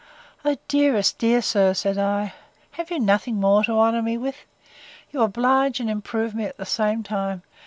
O dearest, dear sir, said I, have you nothing more to honour me with? You oblige and improve me at the same time.